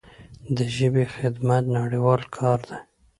د ژبې خدمت نړیوال کار دی.